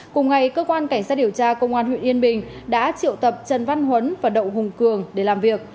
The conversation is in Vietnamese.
cùng ngày cơ quan cảnh sát điều tra công an huyện yên bình đã triệu tập trần văn huấn và đậu hùng cường để làm việc